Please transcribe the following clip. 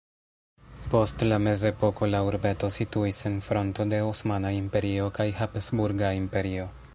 Post la mezepoko la urbeto situis en fronto de Osmana Imperio kaj Habsburga Imperio.